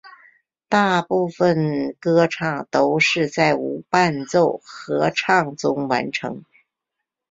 大部分歌唱都是在无伴奏合唱中完成的。